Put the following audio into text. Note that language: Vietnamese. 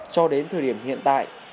cho đến thời điểm hiện tại